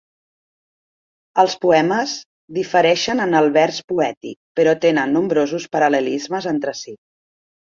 Els poemes difereixen en el vers poètic, però tenen nombrosos paral·lelismes entre si.